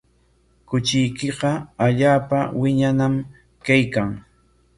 Kuchiykiqa allaapa wirañam kaykan.